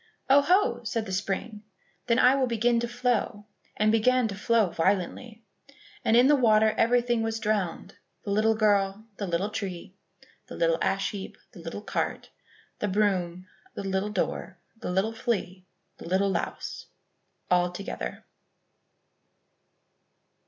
"Oh, ho!" said the spring, "then I will begin to flow," and began to flow violently. And in the water everything was drowned, the girl, the little tree, the little ash heap, the little cart, the broom, the little door, the little flea, the little louse, all together.